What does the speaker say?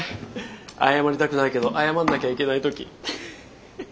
謝りたくないけど謝んなきゃいけない時。